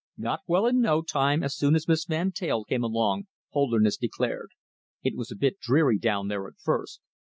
"Got well in no time as soon as Miss Van Teyl came along," Holderness declared. "It was a bit dreary down there at first.